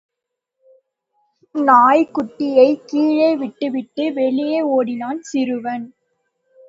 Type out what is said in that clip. நாய்க்குட்டியைக் கீழே விட்டுவிட்டு, வெளியே ஒடினான் சிறுவன்.